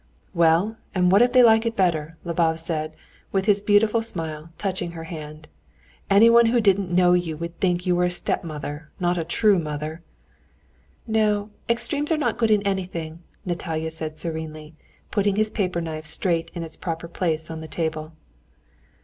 "Well, what if they like it better?" Lvov said, with his beautiful smile, touching her hand. "Anyone who didn't know you would think you were a stepmother, not a true mother." "No, extremes are not good in anything," Natalia said serenely, putting his paper knife straight in its proper place on the table.